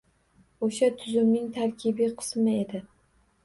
O‘sha tuzumning tarkibiy qismi edi.